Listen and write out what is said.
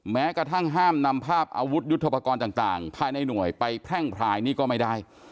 แม้กระทั่งห้ามนำภาพอาวุธยุทธปกรณ์ต่างภายในหน่วยไปแพร่งพลายนี่ก็ไม่ได้